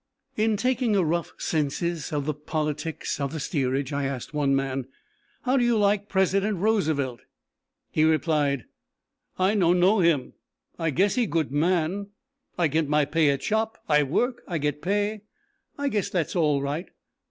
In taking a rough census of the politics of the steerage, I asked one man: "How do you like President Roosevelt?" He replied: "I no know him. I guess he good man, I get my pay at shop; I work, I get pay, I guess that all right."